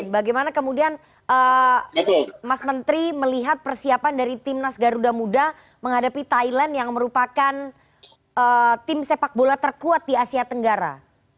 bagaimana kemudian mas menteri melihat persiapan dari timnas garuda muda menghadapi thailand yang merupakan tim sepak bola terkuat di asia tenggara